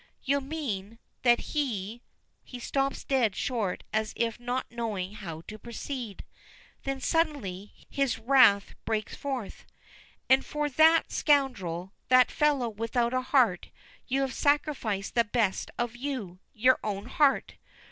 "You mean that he " He stops dead short as if not knowing how to proceed. Then, suddenly, his wrath breaks forth. "And for that scoundrel, that fellow without a heart, you have sacrificed the best of you your own heart!